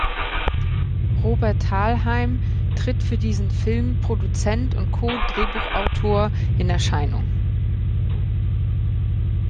Robert Thalheim tritt für diesen Film Produzent und co-Drehbuchautor in Erscheinung.